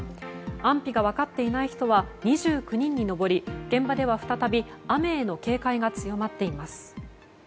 安否が分かっていない人は２９人に上り現場では再び雨への警戒が強まっています。